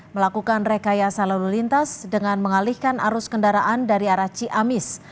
melakukan rekayasa lalu lintas dengan mengalihkan arus kendaraan dari arah ciamis